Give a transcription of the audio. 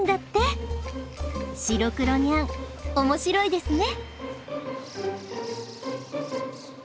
白黒ニャン面白いですね。